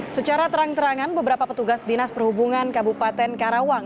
secara terang terangan beberapa petugas dinas perhubungan kabupaten karawang